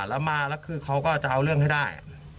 แล้วมาแล้วคือเขาก็จะเอาเรื่องให้ได้